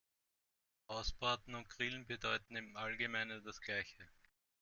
Ausbraten und grillen bedeuten im Allgemeinen das gleiche.